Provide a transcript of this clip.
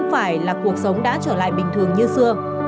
và cuộc sống đã trở lại bình thường như xưa